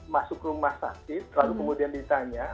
masuk rumah sakit lalu kemudian ditanya